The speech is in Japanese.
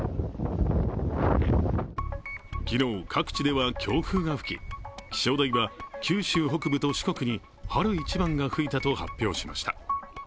昨日、各地では強風が吹き、気象台は九州北部と四国に春一番が吹いたと発表しました。